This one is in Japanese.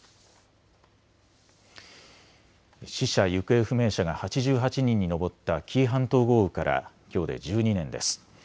死者・行方不明者が８８人に上った紀伊半島豪雨からきょうで１２年です。